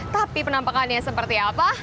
tapi penampakannya seperti apa